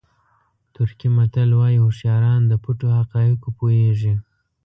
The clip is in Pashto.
ترکي متل وایي هوښیاران د پټو حقایقو پوهېږي.